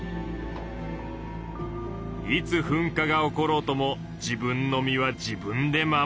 いつ噴火が起ころうとも自分の身は自分で守りきる。